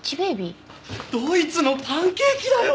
ドイツのパンケーキだよ！